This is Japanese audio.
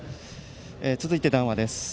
続いて談話です。